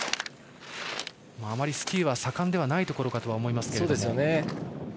あまりスキーは盛んではないところかと思いますが。